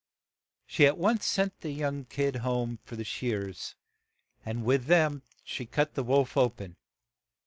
She at once sent the young kid home for the shears, and with them she cut the wolf o pen.